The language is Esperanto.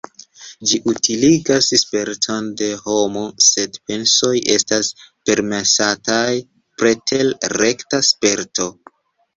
Ĝi utiligas sperton de homo, sed pensoj estas permesataj preter rekta sperto.